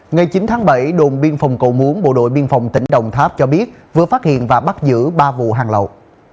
ngày chín tháng bảy đồn biên phòng cầu muốn bộ đội biên phòng tỉnh đồng tháp cho biết vừa phát hiện và bắt giữ ba vụ hàng lậu